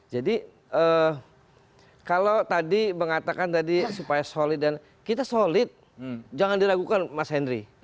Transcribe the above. jadi kalau tadi mengatakan supaya solid dan kita solid jangan diragukan mas henry